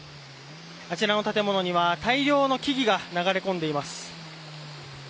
あちらの建物には大量の木々が流れ込んでいます。